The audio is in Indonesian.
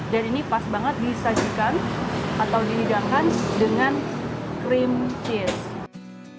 dan ini pas banget disajikan atau dihidangkan dengan cream cheese